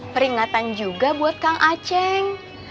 peringatan juga buat kang aceh